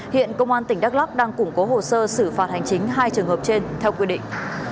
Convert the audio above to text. hiện công an tỉnh đắk lắc đang củng cố hồ sơ xử phạt hành chính hai trường hợp trên theo quy định